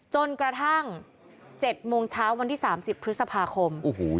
จนกระทั่ง๗โมงเช้าวันที่๓๐พฤษภาคม